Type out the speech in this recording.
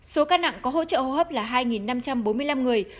số ca nặng có hỗ trợ hô hấp là hai năm trăm bốn mươi năm người